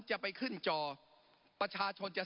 ปรับไปเท่าไหร่ทราบไหมครับ